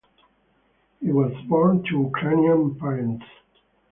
He was born to Ukrainian parents.